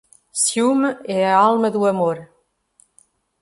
Ciúme é a alma do amor.